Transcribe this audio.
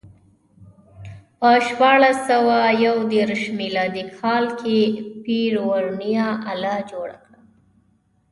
په شپاړس سوه یو دېرش میلادي کال کې پير ورنیه آله جوړه کړه.